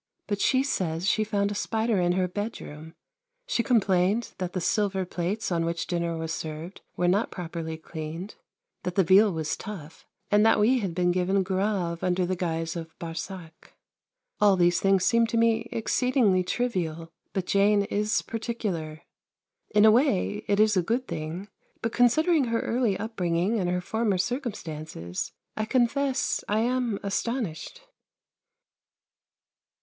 But she says she found a spider in her bedroom; she complained that the silver plates on which dinner was served were not properly cleaned; that the veal was tough, and that we had been given Graves under the guise of Barsac. All these things seem to me exceedingly trivial; but Jane is particular. In a way it is a good thing, but considering her early upbringing and her former circumstances, I confess I am astonished.